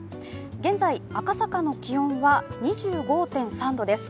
現在、赤坂の気温は２５．３度です。